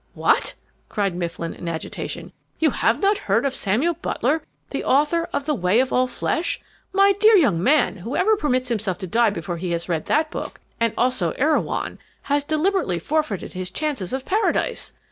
"What?" cried Mifflin, in agitation, "you have not heard of Samuel Butler, the author of The Way of All Flesh? My dear young man, whoever permits himself to die before he has read that book, and also Erewhon, has deliberately forfeited his chances of paradise.